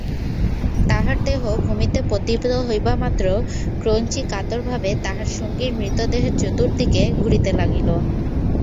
তাহার দেহ ভূমিতে পতিত হইবামাত্র ক্রৌঞ্চী কাতরভাবে তাহার সঙ্গীর মৃতদেহের চতুর্দিকে ঘুরিতে লাগিল।